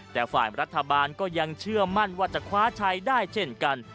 แต่ฝ่ายรัฐบาลก็ยังเชื่อมั่นว่าจะคว้าชัยได้เช่นกัน